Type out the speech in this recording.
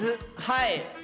はい。